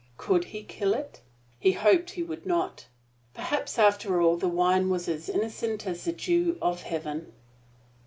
Could he kill it? He hoped he would not. Perhaps, after all, the wine was as innocent as the dew of heaven.